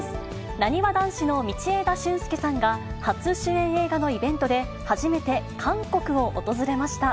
なにわ男子の道枝駿佑さんが、初主演映画のイベントで、初めて韓国を訪れました。